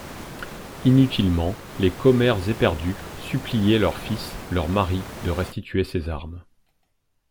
Inutilement les commères éperdues suppliaient leurs fils, leurs maris de restituer ces armes.